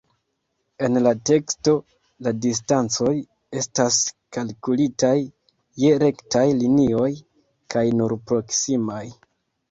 En la teksto, la distancoj estas kalkulitaj je rektaj linioj kaj nur proksimaj.